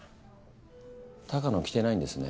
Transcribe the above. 鷹野来てないんですね。